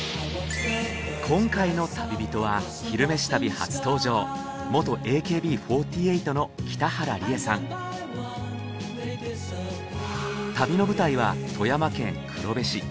今回の旅人は「昼めし旅」初登場旅の舞台は富山県黒部市。